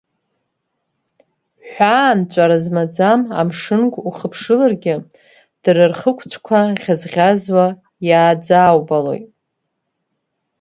Ҳәаа нҵәара змаӡам амшынгә ухыԥшыларгьы, дара рхықәцәқәа ӷьаз-ӷьазуа иааӡааубалоит.